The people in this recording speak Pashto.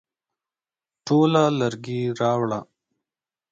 ټوله لرګي راوړه ؟